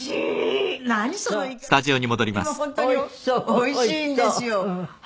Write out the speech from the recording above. おいしいんですよ。